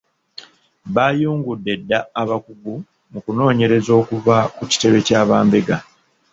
Baayungudde dda abakugu mu kunoonyereza okuva ku kitebe kya bambega .